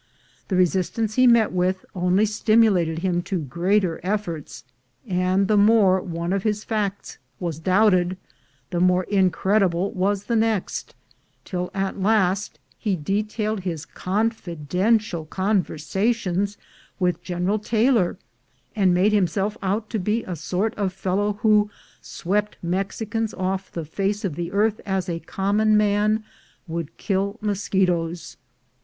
The resist ance he met with only stimulated him to greater efforts, and the more one of his facts was doubted, the more incredible was the next; till at last he de tailed his confidential conversations with General Taylor, and made himself out to be a sort of a fellow who swept Mexicans off the face of the earth as a common man would kill mosquitoes.